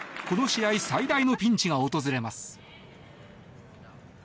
この試合最大のピンチが訪れます。